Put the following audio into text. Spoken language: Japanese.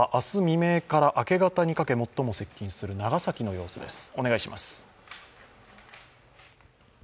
未明から明け方にかけ最も接近する長崎の様子です。